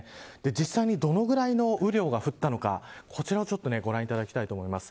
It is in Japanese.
実際にどのぐらいの雨量が降ったのかこちらをご覧いただきたいと思います。